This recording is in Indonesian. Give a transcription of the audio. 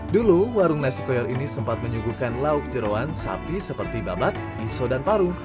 dulu warung nasi koyor ini sempat menyuguhkan lauk jerawan sapi seperti babat pisau dan paru